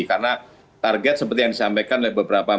karena target seperti yang dikatakan tadi adalah kembali ke perusahaan